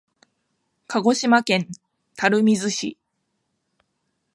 鹿児島県垂水市